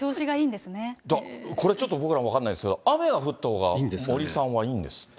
これちょっと、僕ら分からないですが、雨が降ったほうが森さんはいいんですって。